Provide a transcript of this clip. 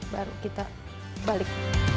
baru kita balik